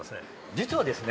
実はですね